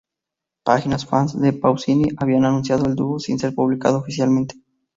Páginas fans de Pausini habían anunciado el dúo sin ser publicado oficialmente.